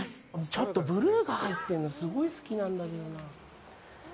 ちょっとブルー入ってるのすごい好きなんだけどな。